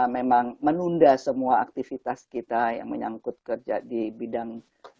memang menunda semua aktivitas kita yang menyangkut kerja di bidang